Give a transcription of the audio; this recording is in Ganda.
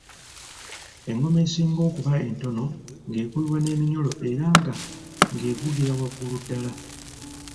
Engoma esinga okuba entono ng’ekubibwa n’eminyolo era ng’evugira waggulu ddala.